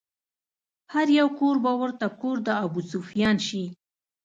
هر يو کور به ورته کور د ابوسفيان شي